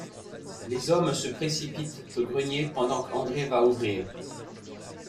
Les hommes se précipitent au grenier pendant qu’André va ouvrir.